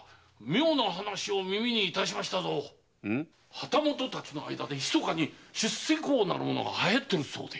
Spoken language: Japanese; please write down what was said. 旗本たちの間で秘かに“出世講”なるものが流行っておるそうな。